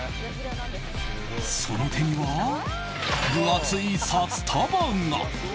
その手には、分厚い札束が。